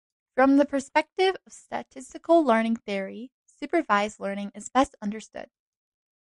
From the perspective of statistical learning theory, supervised learning is best understood.